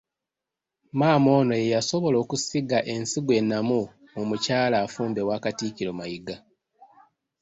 Maama ono ye yasobola okusiga ensigo ennamu mu mukyala afumba ewa Katikkiro Mayiga.